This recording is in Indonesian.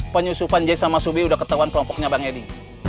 penyusupan jay sama subi udah ketahuan kelompoknya bang eddy